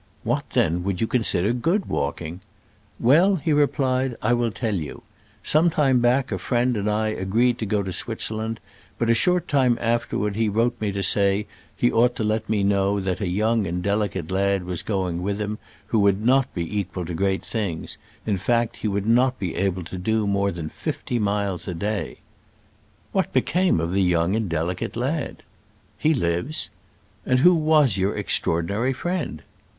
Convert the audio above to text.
"What, then, would yOu consider ^<w</ walking?" "Well," he replied, *' I will tell you. Some time back a friend and I agreed to go to Switzerland, but a short time afterward he wrote to say he ought to let me know that a young and delicate lad was going with him who would not be equal to great things — in fact, he would not be able to do more than fifty miles a day 1" " What became of the young and delicate lad ?"" He lives." " And who was your extraordinary friend?"